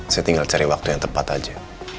saya tinggal cari waktu yang tepat aja